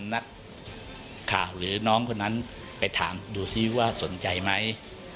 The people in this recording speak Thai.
นักข่าวหรือน้องคนนั้นไปถามดูซิว่าสนใจไหม